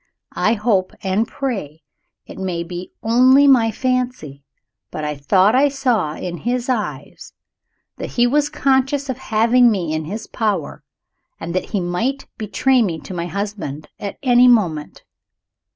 I hope and pray it may be only my fancy but I thought I saw, in his eyes, that he was conscious of having me in his power, and that he might betray me to my husband at any moment.